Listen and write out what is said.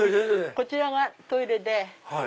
こちらがトイレで。